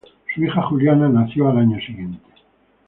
Su hija Juliana nació el año siguiente.